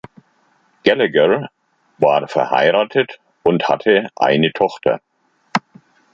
Gallagher war verheiratet und hatte eine Tochter.